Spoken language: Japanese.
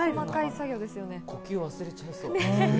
呼吸を忘れちゃいそう。